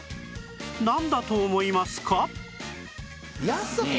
なんだと思いますか？